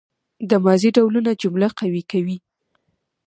د ماضي ډولونه جمله قوي کوي.